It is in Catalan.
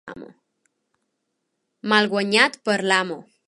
Malaguanyat per l'amo.